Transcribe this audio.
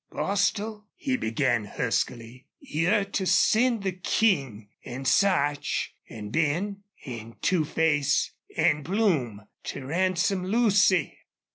"Bostil," he began, huskily, "you're to send the King an' Sarch an' Ben an' Two Face an' Plume to ransom Lucy!